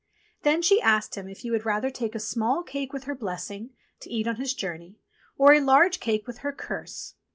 Then she asked him if he would rather take a small cake with her blessing to eat on his journey, or a large cake with her curse